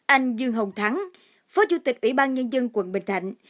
anh dương hồng thắng phó chủ tịch ủy ban nhân dân quận bình thạnh